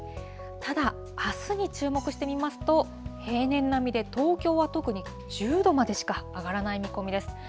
ただ、あすに注目してみますと、平年並みで、東京は特に１０度までしか上がらない見込みです。